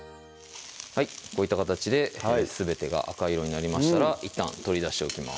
こういった形ですべてが赤色になりましたらいったん取り出しておきます